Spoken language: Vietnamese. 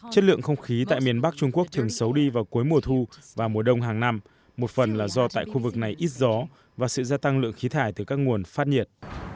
chất lượng không khí tại miền bắc trung quốc thường xấu đi vào cuối mùa thu và mùa đông hàng năm một phần là do tại khu vực này ít gió và sự gia tăng lượng khí thải từ các nguồn phát nhiệt